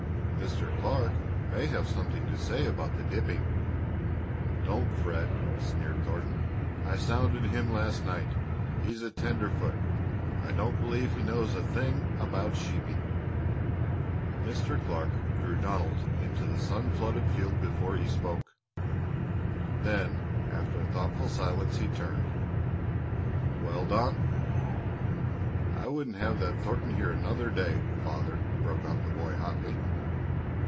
"Mr. Clark may have something to say about the dipping." "Don't you fret," sneered Thornton. "I sounded him last night. He's a tenderfoot. I don't believe he knows a thing about sheeping." Mr. Clark drew Donald into the sun flooded field before he spoke. Then, after a thoughtful silence he turned: "Well, Don?" "I wouldn't have that Thornton here another day, father!" broke out the boy hotly.